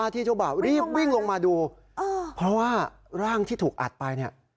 ที่เจ้าบ่าวรีบวิ่งลงมาดูเพราะว่าร่างที่ถูกอัดไปเนี่ย